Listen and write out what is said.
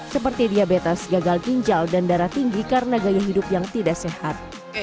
seperti diabetes gagal ginjal dan darah tinggi karena gaya hidup yang tidak sehat